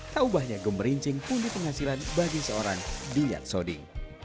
tak ubahnya gemerincing pun di penghasilan bagi seorang dunia soding